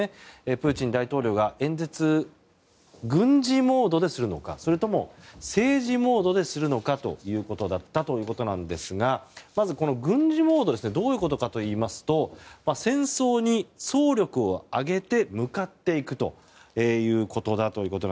プーチン大統領が演説を軍事モードでするのかそれとも政治モードでするのかということですがまず軍事モードどういうことかといいますと戦争に総力を挙げて向かっていくということだと。